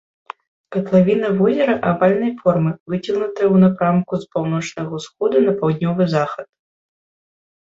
Катлавіна возера авальнай формы, выцягнутая ў напрамку з паўночнага ўсходу на паўднёвы захад.